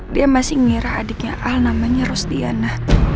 dia masih ngira adiknya al namanya rostiana